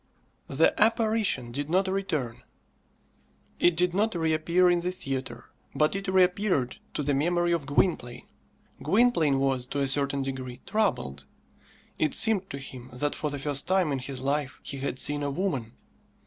The "apparition" did not return. It did not reappear in the theatre, but it reappeared to the memory of Gwynplaine. Gwynplaine was, to a certain degree, troubled. It seemed to him that for the first time in his life he had seen a woman.